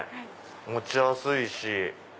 持ちやすいし。